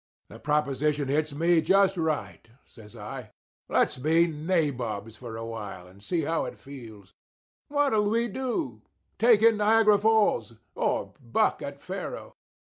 "The proposition hits me just right," says I. "Let's be nabobs for a while and see how it feels. What'll we do—take in the Niagara Falls, or buck at faro?"